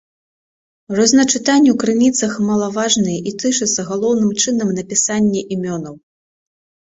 Розначытанні ў крыніцах малаважныя і тычацца галоўным чынам напісанні імёнаў.